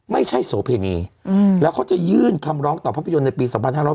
โสเพณีแล้วเขาจะยื่นคำร้องต่อภาพยนตร์ในปี๒๕๖๐